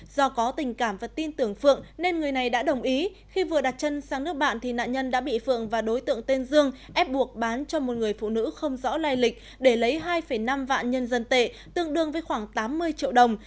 do có tình cảm và tin tưởng phượng nên người này đã đồng ý khi vừa đặt chân sang nước bạn thì nạn nhân đã bị phượng và đối tượng tên dương ép buộc bán cho một người phụ nữ không rõ lai lịch để lấy hai năm vạn nhân dân tệ tương đương với khoảng tám mươi triệu đồng